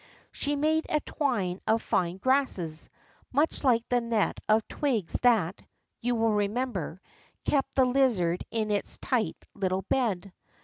She made a twine of fine grasses, much like the net of twigs that, you will remember, kept the lizard in its tight little bed.